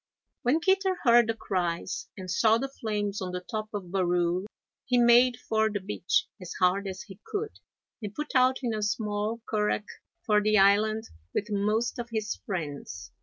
When Kitter heard the cries and saw the flames on the top of Barrule, he made for the beach as hard as he could, and put out in a small currach for the island, with most of his friends.